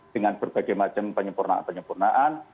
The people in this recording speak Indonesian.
dengan berbagai macam penyempurnaan